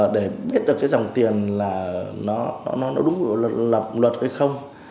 để biết được cái dòng tiền là nó đúng luật luật hay không